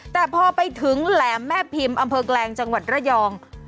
แต่พอไปถึงแหลมแม่พิมพ์อำเภอแกลงจังหวัดระยอง